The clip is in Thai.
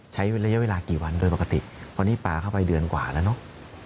ใช้ระยะเวลากี่วันโดยปกติเพราะนี่ปลาเข้าไปเดือนกว่าแล้วเนอะ